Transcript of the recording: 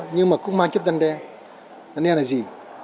nhưng mà cũng mang chức dân đe dân đe là gì